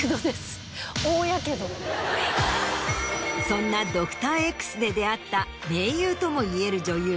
そんな『ドクターＸ』で出会った盟友とも言える女優